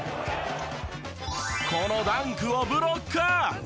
このダンクをブロック！